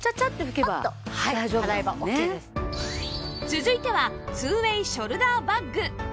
続いては ２ＷＡＹ ショルダーバッグ